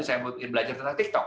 saya mau belajar tentang tiktok